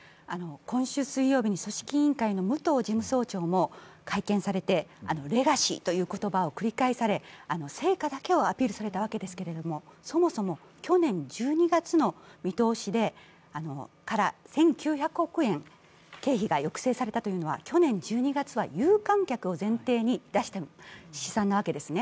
今週水曜日に組織委員会の武藤事務総長も会見されてレガシーという言葉を繰り返され、成果だけ強調しましたが、そもそも去年１２月の見通しから１９００億円経費が抑制されたというのは去年１２月は有観客を前提に出した試算なわけですね。